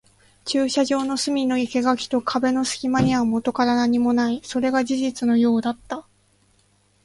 駐車場の隅の生垣と壁の隙間にはもとから何もない。それが事実のようだった。